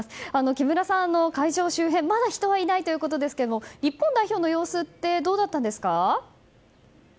木村さん、会場周辺はまだ人はいないということですが日本代表の様子ってどうだったんですか？